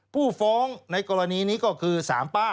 ผู้ฟ้องในกรณีนี้ก็คือ๓ป้า